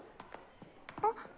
あっ。